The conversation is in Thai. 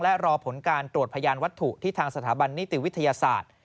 และรอผลการตรวจพยานวัตถุที่ทางสถาบันนิติวิทยาศาสตร์